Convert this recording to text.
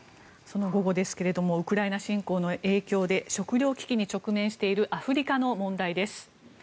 午後ですがウクライナ侵攻の影響で食糧危機に直面しているアフリカの問題です。